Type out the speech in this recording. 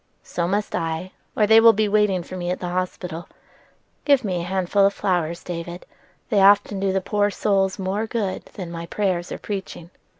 "So must I, or they will be waiting for me at the hospital. Give me a handful of flowers, David: they often do the poor souls more good than my prayers or preaching."